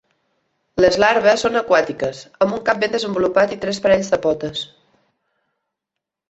Les larves són aquàtiques, amb un cap ben desenvolupat i tres parells de potes.